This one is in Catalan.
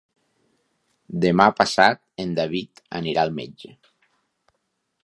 Demà passat en David anirà al metge.